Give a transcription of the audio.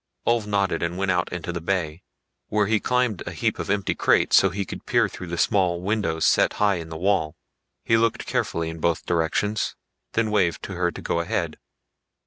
Ulv nodded and went out into the bay, where he climbed a heap of empty crates so he could peer through the small windows set high in the wall. He looked carefully in both directions, then waved to her to go ahead.